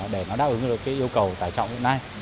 để nó đáp ứng được cái yêu cầu tải trọng hiện nay